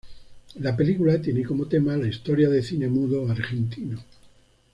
La película tiene como tema la historia del cine mudo argentino.